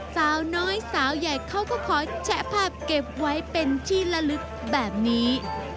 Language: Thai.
สาวน้อยสาวใหญ่เขาก็ขอแชะภาพเก็บไว้เป็นที่ละลึกแบบนี้